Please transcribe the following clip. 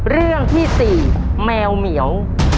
เรื่องที่๔แมวเหมียว